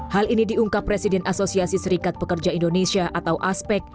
hal ini diungkap presiden asosiasi serikat pekerja indonesia atau aspek